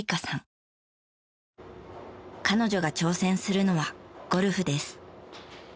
彼女が挑戦するのはゴルフです。